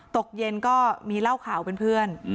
ตกเย็นก็มีเล่าข่าวเป็นเพื่อน